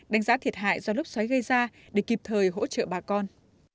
đánh giá thiệt hại do lốc xoáy gây ra để kịp thời hỗ trợ bà con